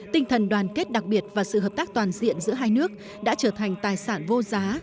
tinh thần đoàn kết đặc biệt và sự hợp tác toàn diện giữa hai nước đã trở thành tài sản vô giá